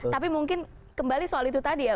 tapi mungkin kembali soal itu tadi ya